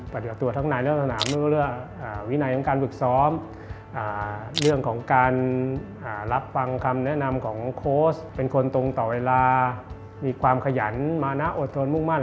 เป็นคนตรงต่อเวลามีความขยันมาณะอดทนมุ่งมั่น